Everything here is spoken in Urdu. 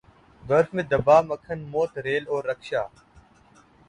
برف میں دبا مکھن موت ریل اور رکشا